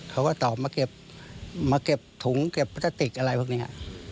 เขาก็ตอบมาเก็บมาเก็บถุงเก็บพลาสติกอะไรพวกนี้